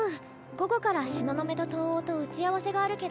午後から東雲と藤黄と打ち合わせがあるけど。